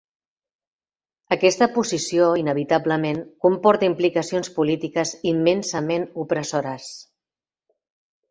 Aquesta posició inevitablement comporta implicacions polítiques immensament opressores.